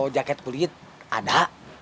rakyat kulit ada